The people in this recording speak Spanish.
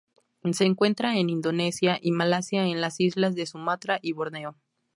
Se encuentra en Indonesia y Malasia en las islas de Sumatra y Borneo.